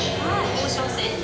王将戦で。